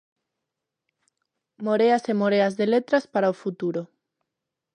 Moreas e moreas de letras para o futuro.